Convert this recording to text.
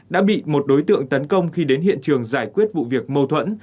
đã bị một đối tượng tấn công khi đến hiện trường giải quyết vụ việc mâu thuẫn